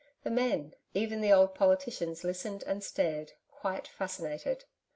The men even the old politicians, listened and stared, quite fascinated.